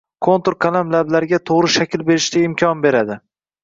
Kontur qalam lablarga to‘g‘ri shakl berishga imkon beradi